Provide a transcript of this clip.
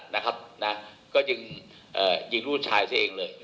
นะครับนะก็จึงเอ่อยิงลูกชายซะเองเลย